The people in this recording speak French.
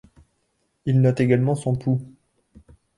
Il note également son pouls.